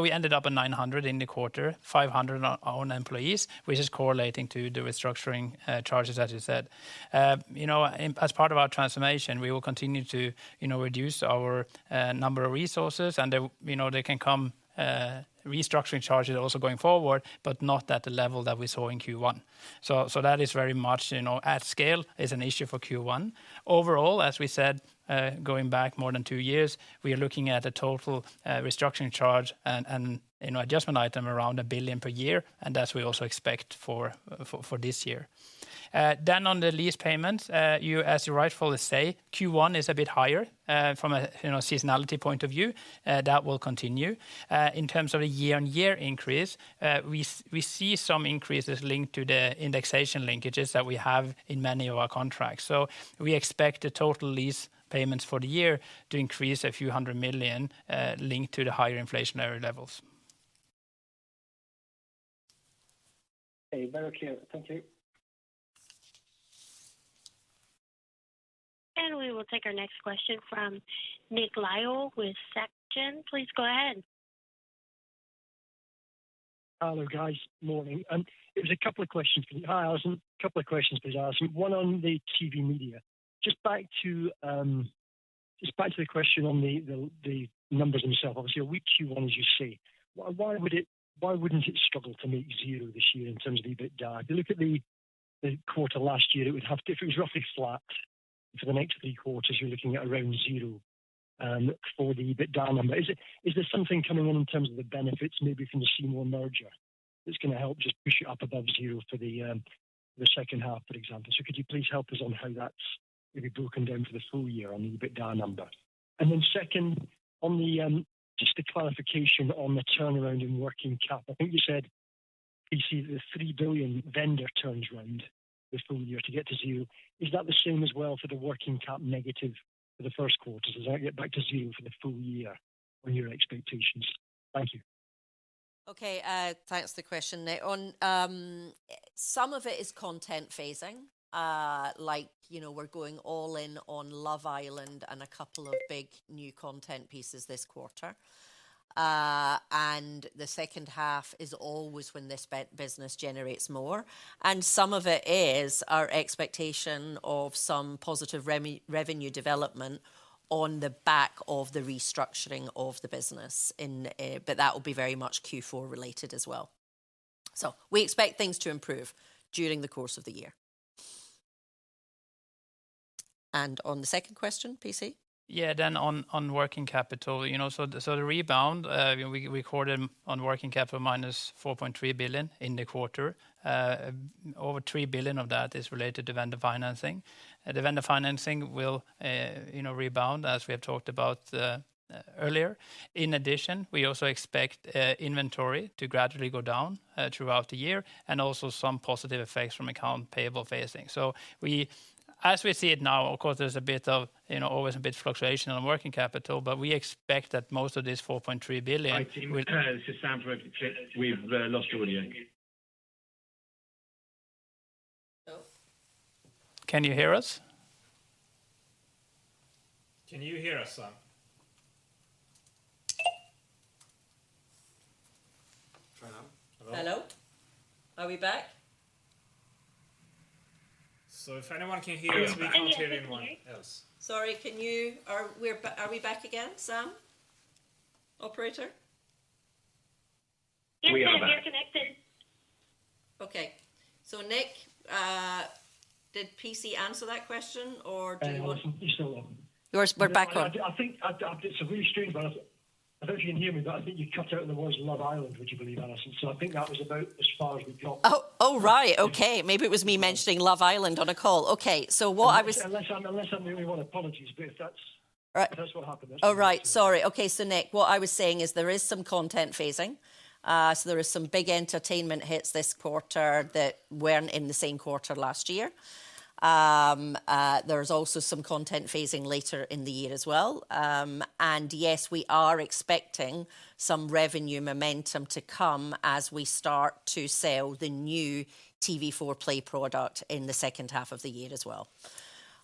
We ended up at 900 in the quarter, 500 our own employees, which is correlating to the restructuring charges, as you said. You know, as part of our transformation, we will continue to, you know, reduce our number of resources and they, you know, they can come restructuring charges also going forward, but not at the level that we saw in Q1. That is very much, you know, at scale is an issue for Q1. As we said, going back more than two years, we are looking at a total restructuring charge and, you know, adjustment item around 1 billion per year, and that we also expect for this year. On the lease payments, you, as you rightfully say, Q1 is a bit higher from a, you know, seasonality point of view, that will continue. In terms of the year-on-year increase, we see some increases linked to the indexation linkages that we have in many of our contracts. We expect the total lease payments for the year to increase SEK a few hundred million, linked to the higher inflationary levels. Okay. Very clear. Thank you. We will take our next question from Nick Lyall with Société Générale. Please go ahead. Hello, guys. Morning. It was a couple of questions for you. Hi, Allison. Couple of questions please, Allison. One on the TV media. Just back to the question on the numbers themselves. Obviously a weak Q1, as you say. Why wouldn't it struggle to meet zero this year in terms of the EBITDA? If you look at the quarter last year, it would have roughly flat. For the next three quarters, you're looking at around zero for the EBITDA number. Is there something coming on in terms of the benefits maybe from the C More merger that's gonna help just push it up above zero for the second half, for example? Could you please help us on how that's maybe broken down for the full year on the EBITDA number? Second, on the just the clarification on the turnaround in working cap. I think you said you see the 3 billion vendor turns around the full year to get to zero. Is that the same as well for the working cap negative for the first quarter? Does that get back to zero for the full year on your expectations? Thank you. Okay. Thanks for the question, Nick. On, some of it is content phasing. Like, you know, we're going all in on Love Island and a couple of big new content pieces this quarter. The second half is always when this business generates more, and some of it is our expectation of some positive revenue development on the back of the restructuring of the business in. That will be very much Q4 related as well. We expect things to improve during the course of the year. On the second question, PC? On working capital, you know, so the rebound, you know, we called in on working capital minus 4.3 billion in the quarter. Over 3 billion of that is related to vendor financing. The vendor financing will, you know, rebound as we have talked about earlier. In addition, we also expect inventory to gradually go down throughout the year, and also some positive effects from accounts payable phasing. As we see it now, of course, there's a bit of, you know, always a bit fluctuation on working capital, but we expect that most of this 4.3 billion will- Hi, team. This is Sam. We've lost audio. Hello? Can you hear us? Can you hear us, Sam? Hello? Are we back? If anyone can hear us. We are back. Yes, we can hear you. We can't hear anyone else. Sorry. Can you, are we back again, Sam? Operator? Yes, ma'am. We are back. You're connected. Okay. Nick, did PC answer that question or do you- Allison, you're still on. We're back on. I think It's a really strange one. I don't know if you can hear me, but I think you cut out in the words Love Island, would you believe, Allison? I think that was about as far as we got. Oh. Oh, right. Okay. Maybe it was me mentioning Love Island on a call. Okay. Unless I'm the only one. Apologies, but that's. All right. That's what happened. All right. Sorry. Okay. Nick, what I was saying is there is some content phasing. There is some big entertainment hits this quarter that weren't in the same quarter last year. There's also some content phasing later in the year as well. Yes, we are expecting some revenue momentum to come as we start to sell the new TV4 Play product in the second half of the year as well.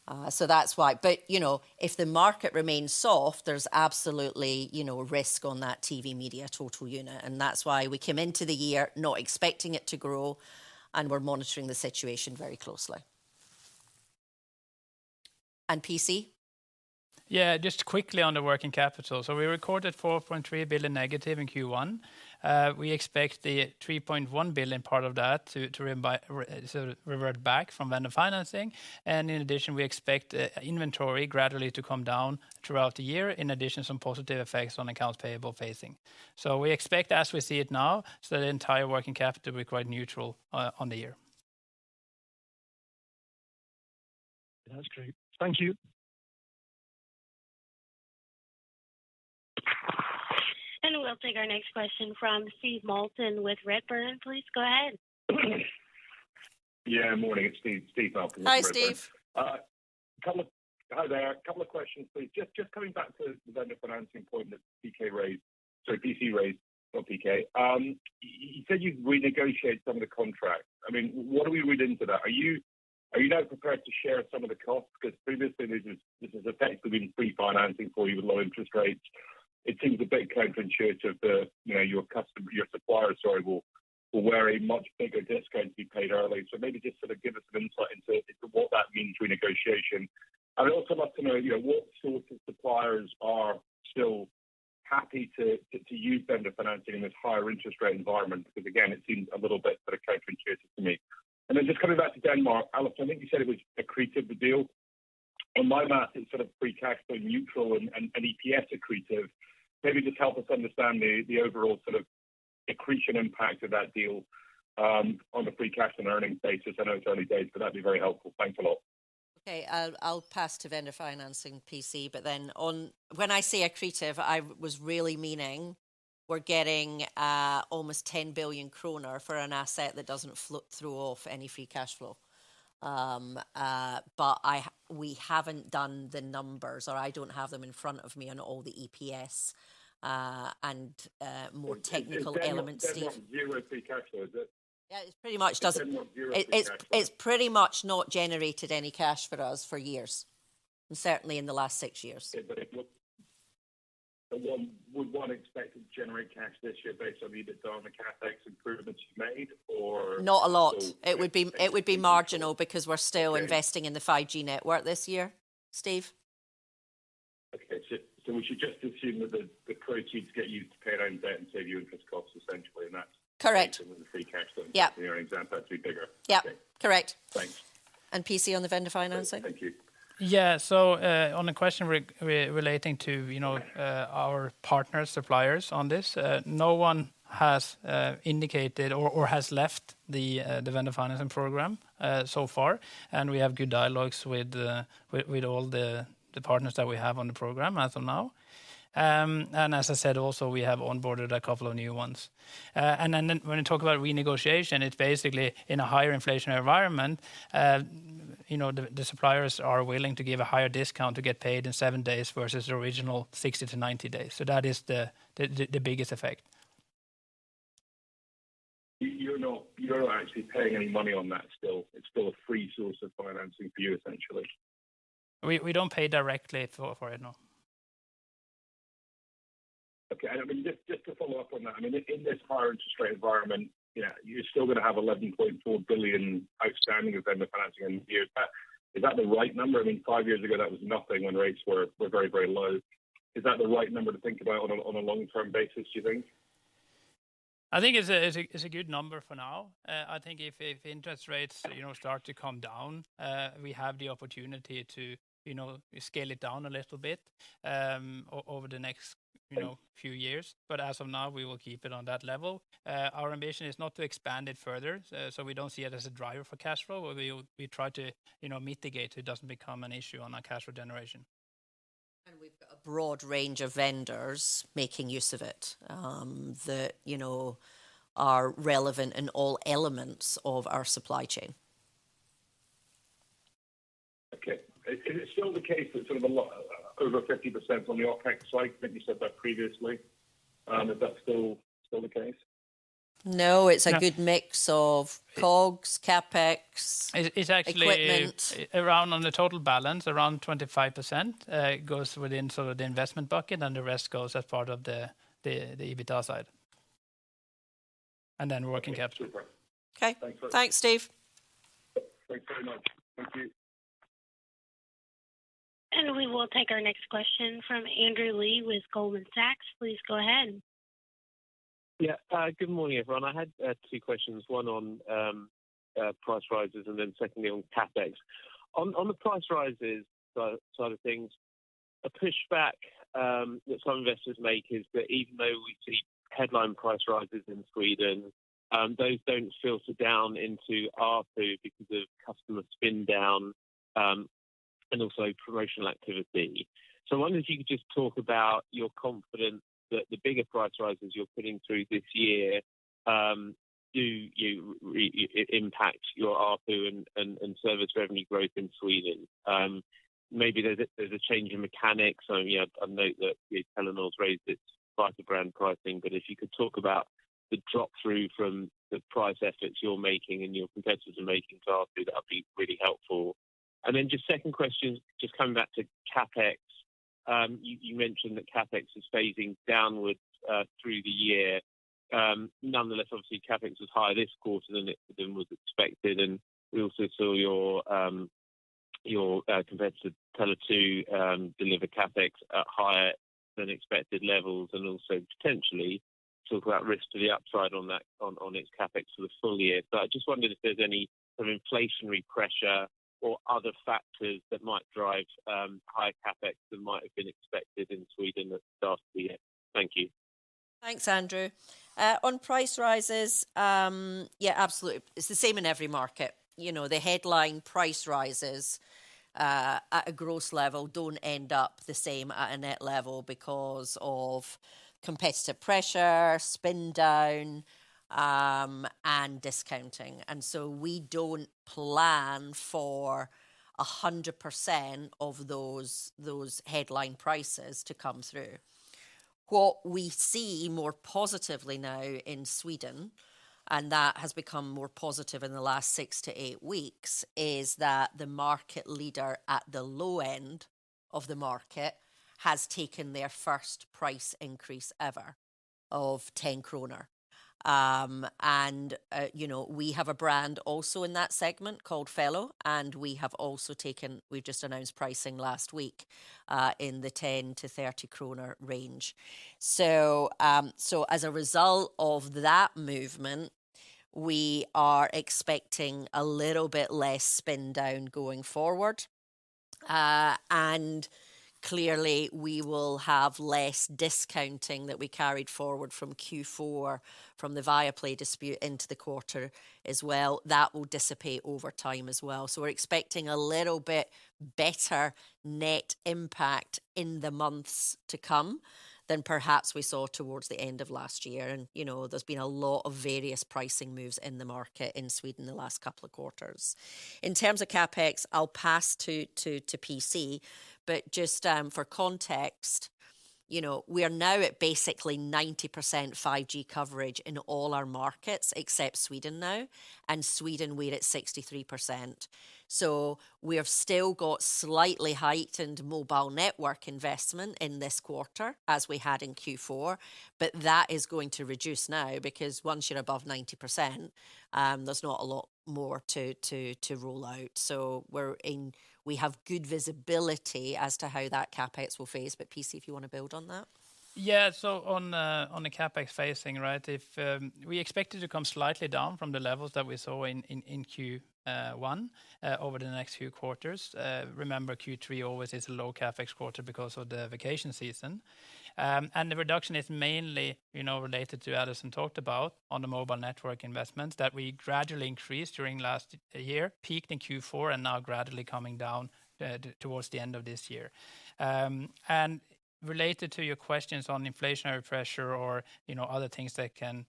That's why. You know, if the market remains soft, there's absolutely, you know, risk on that TV media total unit, and that's why we came into the year not expecting it to grow, and we're monitoring the situation very closely. On PC Just quickly on the working capital. We recorded 4.3 billion negative in Q1. We expect the 3.1 billion part of that to revert back from vendor financing. In addition, we expect inventory gradually to come down throughout the year, in addition, some positive effects on accounts payable phasing. We expect as we see it now, so the entire working capital will be quite neutral on the year. That's great. Thank you. We'll take our next question from Steve Malcolm with Redburn. Please go ahead. Yeah. Morning. It's Steve Malcolm with Redburn. Hi, Steve. Hi there. Couple of questions, please. Just coming back to the vendor financing point that PC raised, not PK. You said you've renegotiated some of the contracts. I mean, what are we reading into that? Are you now prepared to share some of the costs? 'Cause previously this has effectively been pre-financing for you with low interest rates. It seems a bit counterintuitive that, you know, your supplier, sorry, will wear a much bigger discount to be paid early. Maybe just sort of give us an insight into what that means renegotiation. I'd also like to know, you know, what sort of suppliers are still happy to use vendor financing in this higher interest rate environment, because again it seems a little bit sort of counterintuitive to me. Just coming back to Denmark, Allison, I think you said it was accretive, the deal. On my math, it's sort of pre-tax or neutral and EPS accretive. Maybe just help us understand the overall sort of accretion impact of that deal on the pre-cash and earnings basis. I know it's early days, but that'd be very helpful. Thanks a lot. Okay. I'll pass to vendor financing PC. When I say accretive, I was really meaning we're getting almost 10 billion kronor for an asset that doesn't flip through off any free cash flow. We haven't done the numbers, or I don't have them in front of me on all the EPS and more technical elements, Steve. It doesn't generate cash flow, is it? Yeah. It pretty much doesn't. It doesn't generate cash flow. It's pretty much not generated any cash for us for years, and certainly in the last six years. Yeah, would one expect to generate cash this year based on either the CapEx improvements you made or. Not a lot. So It would be marginal because we're- Okay still investing in the 5G network this year, Steve. We should just assume that the code sheets get you to pay loans out and save you interest costs, essentially. Correct the free cash flow. Yeah. You know, example had to be bigger. Yeah. Okay. Correct. Thanks. PC on the vendor financing. Thank you. On the question relating to, you know, our partner suppliers on this, no one has indicated or has left the vendor financing program so far. We have good dialogues with all the partners that we have on the program as of now. As I said, also we have onboarded a couple of new ones. When you talk about renegotiation, it's basically in a higher inflationary environment, you know, the suppliers are willing to give a higher discount to get paid in seven days versus the original 60 to 90 days. That is the biggest effect. You're not actually paying any money on that still? It's still a free source of financing for you, essentially. We don't pay directly for it, no. Okay. I mean, just to follow up on that, I mean, in this higher interest rate environment, you know, you're still gonna have 11.4 billion outstanding vendor financing in the year. Is that the right number? I mean, five years ago, that was nothing when rates were very, very low. Is that the right number to think about on a long-term basis, do you think? I think it's a good number for now. I think if interest rates, you know, start to come down, we have the opportunity to, you know, scale it down a little bit, over the next, you know, few years. As of now, we will keep it on that level. Our ambition is not to expand it further. We don't see it as a driver for cash flow. We try to, you know, mitigate it doesn't become an issue on our cash flow generation. We've got a broad range of vendors making use of it, that, you know, are relevant in all elements of our supply chain. Okay. Is it still the case that sort of a lot, over 50% on the OpEx side? I think you said that previously. Is that still the case? No, it's a good mix of COGS, CapEx. It's actually ...equipment on the total balance, around 25%, goes within sort of the investment bucket and the rest goes as part of the EBITDA side. Working capital. Okay. Super. Okay. Thanks a lot. Thanks, Steve. Thanks very much. Thank you. We will take our next question from Andrew Lee with Goldman Sachs. Please go ahead. Good morning, everyone. I had two questions, one on price rises and then secondly on CapEx. On the price rises side of things, a push back that some investors make is that even though we see headline price rises in Sweden, those don't filter down into ARPU because of customer spin down and also promotional activity. I wonder if you could just talk about your confidence that the bigger price rises you're putting through this year, do you impact your ARPU and service revenue growth in Sweden? Maybe there's a change in mechanics. I note that Telenor raised its fiber brand pricing, but if you could talk about the drop through from the price efforts you're making and your competitors are making to ARPU, that'd be really helpful. Just second question, just coming back to CapEx. You mentioned that CapEx is phasing downwards through the year. Nonetheless, obviously CapEx was higher this quarter than it was expected, and we also saw your competitor Tele2 deliver CapEx at higher-than-expected levels and also potentially talk about risk to the upside on that, on its CapEx for the full year. I just wondered if there's any sort of inflationary pressure or other factors that might drive higher CapEx than might have been expected in Sweden at the start of the year. Thank you. Thanks, Andrew. On price rises, yeah, absolutely. It's the same in every market. You know, the headline price rises, at a gross level don't end up the same at a net level because of competitive pressure, spend down, and discounting. We don't plan for 100% of those headline prices to come through. What we see more positively now in Sweden, that has become more positive in the last six-eight weeks, is that the market leader at the low end of the market has taken their first price increase ever of SEK 10. You know, we have a brand also in that segment called Fello, and we have also just announced pricing last week in the 10-30 kronor range. As a result of that movement, we are expecting a little bit less spend down going forward. Clearly we will have less discounting that we carried forward from Q4, from the Viaplay dispute into the quarter as well. That will dissipate over time as well. We're expecting a little bit better net impact in the months to come than perhaps we saw towards the end of last year. You know, there's been a lot of various pricing moves in the market in Sweden the last couple of quarters. In terms of CapEx, I'll pass to PC. For context, you know, we are now at basically 90% 5G coverage in all our markets except Sweden now, and Sweden we're at 63%. We have still got slightly heightened mobile network investment in this quarter, as we had in Q4, but that is going to reduce now because once you're above 90%, there's not a lot more to roll out. We have good visibility as to how that CapEx will phase. PC, if you wanna build on that. On the, on the CapEx phasing, right? If, we expect it to come slightly down from the levels that we saw in Q1 over the next few quarters. Remember Q3 always is a low CapEx quarter because of the vacation season. The reduction is mainly, you know, related to Allison talked about on the mobile network investments that we gradually increased during last year, peaked in Q4, and now gradually coming down towards the end of this year. Related to your questions on inflationary pressure or, you know, other things that can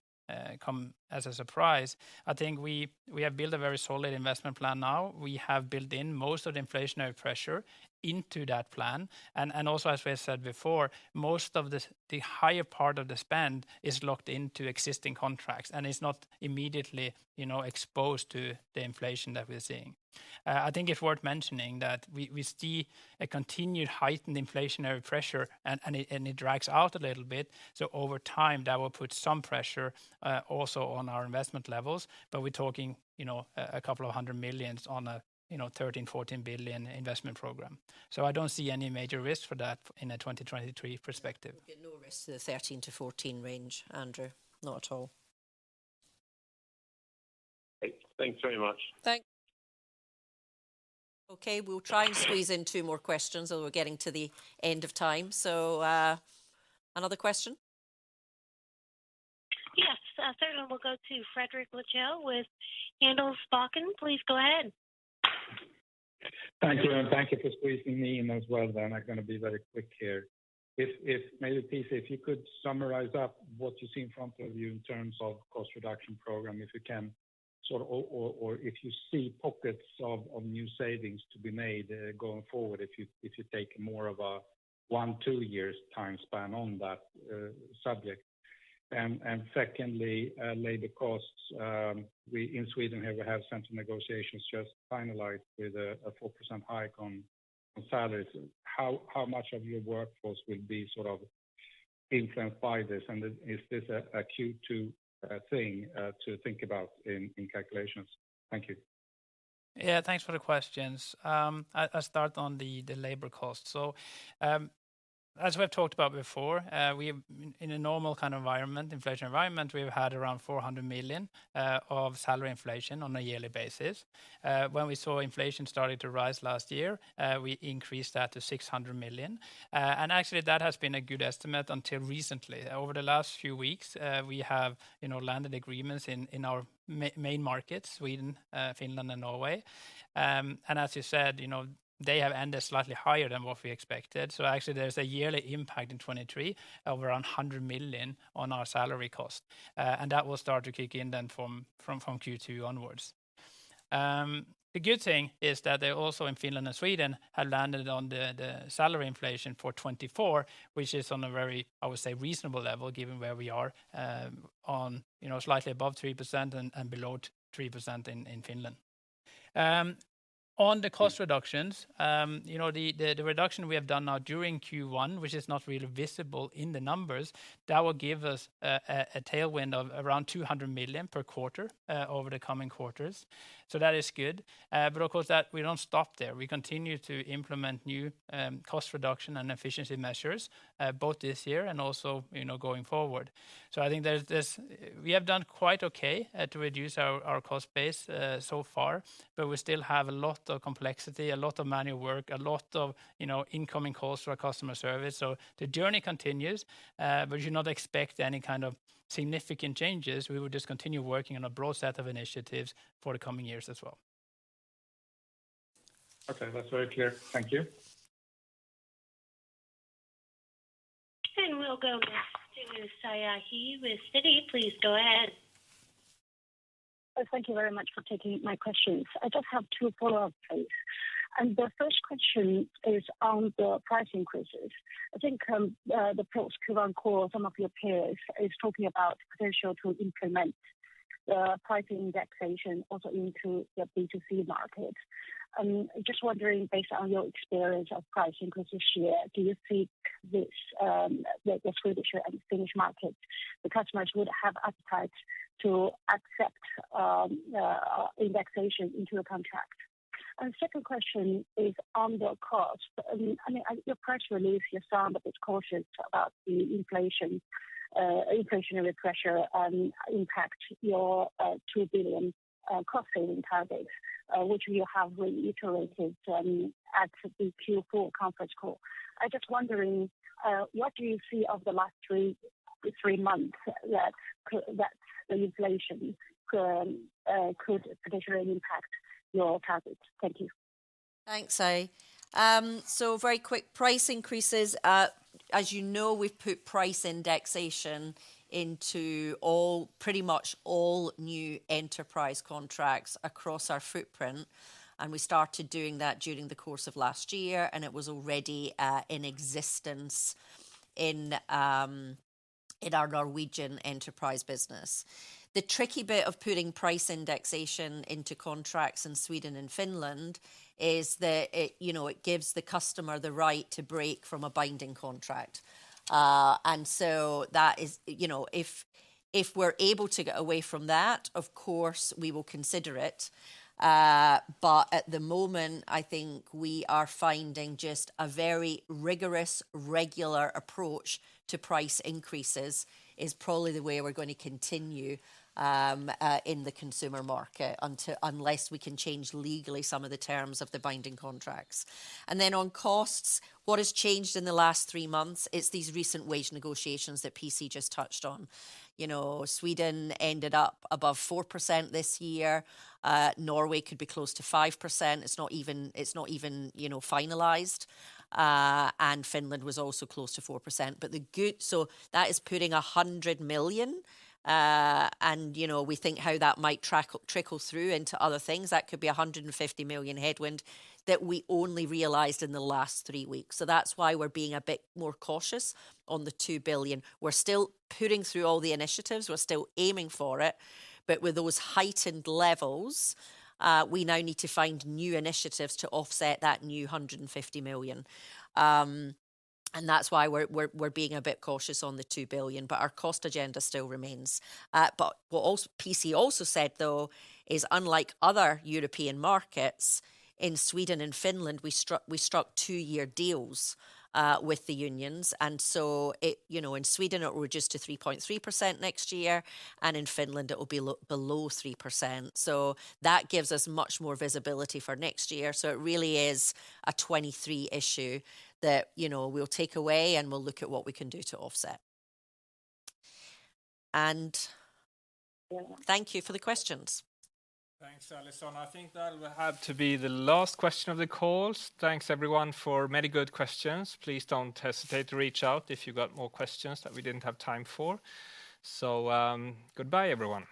come as a surprise, I think we have built a very solid investment plan now. We have built in most of the inflationary pressure into that plan. Also as we said before, most of the the higher part of the spend is locked into existing contracts, and it's not immediately, you know, exposed to the inflation that we're seeing. I think it's worth mentioning that we see a continued heightened inflationary pressure and it drags out a little bit, so over time that will put some pressure also on our investment levels. We're talking, you know, 200 million on a, you know, 13 billion-14 billion investment program. I don't see any major risk for that in a 2023 perspective. Yeah. No risk to the 13-14 range, Andrew. Not at all. Great. Thanks very much. Okay. We'll try and squeeze in two more questions, although we're getting to the end of time. Another question. Yes. certainly. We'll go to Fredrik Lithell with Handelsbanken. Please go ahead. Thank you. Thank you for squeezing me in as well then. I'm gonna be very quick here. If maybe, PC, if you could summarize up what you see in front of you in terms of cost reduction program, if you see pockets of new savings to be made going forward, if you take more of a one, two years time span on that subject. Secondly, labor costs. We in Sweden have central negotiations just finalized with a 4% hike on salaries. How much of your workforce will be sort of influenced by this? Is this a Q2 thing to think about in calculations? Thank you. Thanks for the questions. I'll start on the labor cost. As we've talked about before, in a normal kind of environment, inflation environment, we've had around 400 million of salary inflation on a yearly basis. When we saw inflation starting to rise last year, we increased that to 600 million. Actually that has been a good estimate until recently. Over the last few weeks, we have, you know, landed agreements in our main markets, Sweden, Finland and Norway. As you said, you know, they have ended slightly higher than what we expected. Actually there's a yearly impact in 2023 of around 100 million on our salary cost. That will start to kick in then from Q2 onwards. The good thing is that they also in Finland and Sweden have landed on the salary inflation for 2024, which is on a very, I would say, reasonable level given where we are, you know, slightly above 3% and below 3% in Finland. On the cost reductions, you know, the reduction we have done now during Q1, which is not really visible in the numbers, that will give us a tailwind of around 200 million per quarter over the coming quarters. That is good. Of course that we don't stop there. We continue to implement new cost reduction and efficiency measures both this year and also, you know, going forward. I think there's this... We have done quite okay to reduce our cost base so far, but we still have a lot of complexity, a lot of manual work, a lot of, you know, incoming calls to our customer service. The journey continues, but you not expect any kind of significant changes. We will just continue working on a broad set of initiatives for the coming years as well. Okay. That's very clear. Thank you. We'll go next to Siyi He with Citi. Please go ahead. Thank you very much for taking my questions. I just have two follow-up, please. The first question is on the price increases. I think, the post Q1 call, some of your peers is talking about potential to implement the price indexation also into the B2C market. Just wondering, based on your experience of price increase this year, do you see this, the Swedish and Finnish market, the customers would have appetite to accept, indexation into the contract? Second question is on the cost. I mean, your press release, you sound a bit cautious about the inflation, inflationary pressure and impact your 2 billion cost-saving targets, which you have reiterated at the Q4 conference call. I just wondering, what do you see over the last three months that the inflation could potentially impact your targets? Thank you. Thanks, Siyi. Very quick price increases. As you know, we've put price indexation into pretty much all new enterprise contracts across our footprint, and we started doing that during the course of last year, and it was already in existence in our Norwegian enterprise business. The tricky bit of putting price indexation into contracts in Sweden and Finland is that it, you know, it gives the customer the right to break from a binding contract. That is. You know, if we're able to get away from that, of course, we will consider it. At the moment, I think we are finding just a very rigorous, regular approach to price increases is probably the way we're gonna continue in the consumer market until unless we can change legally some of the terms of the binding contracts. Then on costs, what has changed in the last three months is these recent wage negotiations that PC just touched on. You know, Sweden ended up above 4% this year. Norway could be close to 5%. It's not even, you know, finalized. Finland was also close to 4%. That is putting 100 million. And, you know, we think how that might trickle through into other things, that could be a 150 million headwind that we only realized in the last three weeks. That's why we're being a bit more cautious on the 2 billion. We're still putting through all the initiatives, we're still aiming for it, but with those heightened levels, we now need to find new initiatives to offset that new 150 million. That's why we're being a bit cautious on the 2 billion, but our cost agenda still remains. What PC also said, though, is unlike other European markets, in Sweden and Finland, we struck two-year deals with the unions, and so it. You know, in Sweden, it will reduce to 3.3% next year, and in Finland it will be below 3%. That gives us much more visibility for next year. It really is a 2023 issue that, you know, we'll take away, and we'll look at what we can do to offset. Thank you for the questions. Thanks, Allison. I think that will have to be the last question of the call. Thanks, everyone, for many good questions. Please don't hesitate to reach out if you got more questions that we didn't have time for. Goodbye, everyone.